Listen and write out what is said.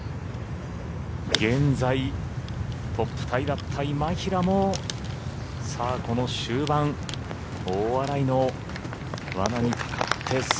現在トップタイだった今平もさあ、この終盤大洗の罠にかかって。